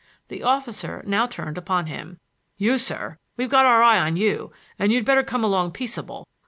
The officer now turned upon him. "You, sir,—we've got our eye on you, and you'd better come along peaceable.